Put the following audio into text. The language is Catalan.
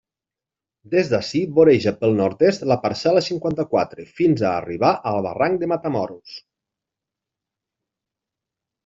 Des d'ací voreja pel nord-est la parcel·la cinquanta-quatre, fins a arribar al barranc de Matamoros.